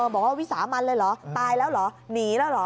บอกว่าวิสามันเลยเหรอตายแล้วเหรอหนีแล้วเหรอ